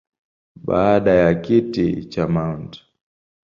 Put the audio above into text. Baada ya kiti cha Mt.